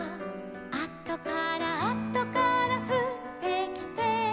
「あとからあとからふってきて」